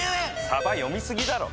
さば読みすぎだろ！